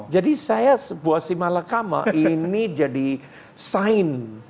jadi saya buasimah lekama ini jadi sign